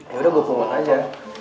ya udah gue punggung aja